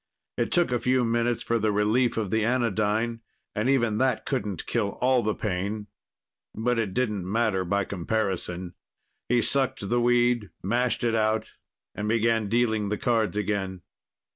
It took a few minutes for the relief of the anodyne, and even that couldn't kill all the pain. But it didn't matter by comparison. He sucked the weed, mashed it out and began dealing the cards again.